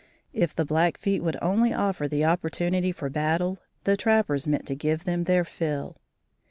If the Blackfeet would only offer the opportunity for battle, the trappers meant to give them their fill.